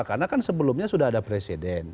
karena kan sebelumnya sudah ada presiden